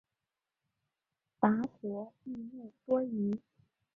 拔灼易怒多疑。